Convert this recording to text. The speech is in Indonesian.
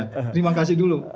terima kasih dulu